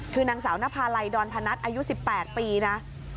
คือนางสาวนภาลัยดอนพนัทอายุ๑๘ปีนะ